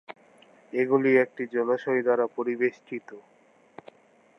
এগুলি একটি জলাশয় দ্বারা পরিবেষ্টিত।